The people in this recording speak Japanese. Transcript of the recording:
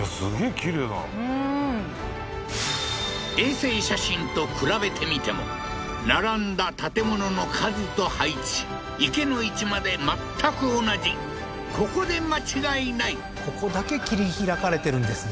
きれいなうん衛星写真と比べてみても並んだ建物の数と配置池の位置まで全く同じここで間違いないここだけ切り開かれてるんですね